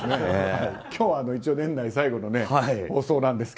今日は一応年内最後の放送なんですが。